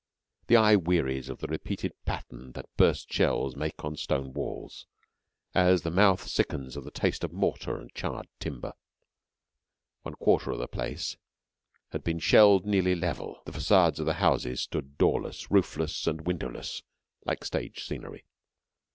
The eye wearies of the repeated pattern that burst shells make on stone walls, as the mouth sickens of the taste of mortar and charred timber. One quarter of the place had been shelled nearly level; the facades of the houses stood doorless, roofless, and windowless like stage scenery.